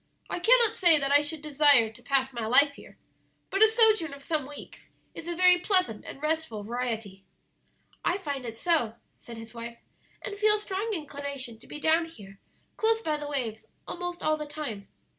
I cannot say that I should desire to pass my life here, but a sojourn of some weeks is a very pleasant and restful variety." "I find it so," said his wife, "and feel a strong inclination to be down here, close by the waves, almost all the time.